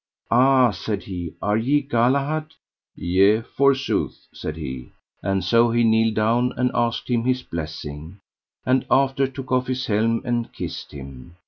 Ah, said he, are ye Galahad? Yea, forsooth, said he; and so he kneeled down and asked him his blessing, and after took off his helm and kissed him.